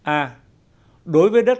a đối với đất